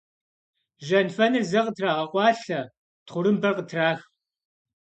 Жьэнфэныр зэ къытрагъэкъуалъэ, тхъурымбэр къытрах.